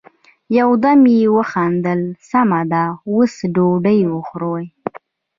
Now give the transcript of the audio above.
يو دم يې وخندل: سمه ده، اوس ډوډی وخورئ!